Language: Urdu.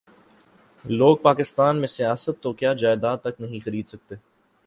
لوگ پاکستان میں سیاست تو کیا جائیداد تک نہیں خرید سکتے